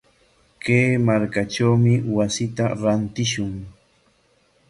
Kay markatrawmi wasita rantishun.